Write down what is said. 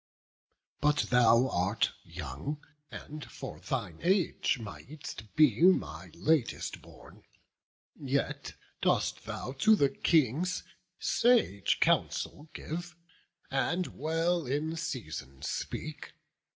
But thou art young, and for thine age mightst be My latest born; yet dost thou to the Kings Sage counsel give, and well in season speak.